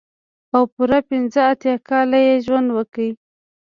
او پوره پنځه اتيا کاله يې ژوند وکړ.